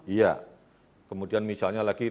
iya kemudian misalnya lagi